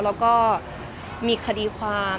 แล้วก็มีคดีความ